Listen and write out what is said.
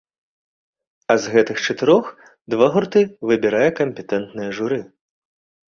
А з гэтых чатырох два гурты выбірае кампетэнтнае журы.